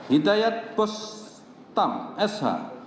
hidayat bostam sh